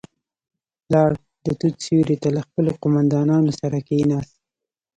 لاړ، د توت سيورې ته له خپلو قوماندانانو سره کېناست.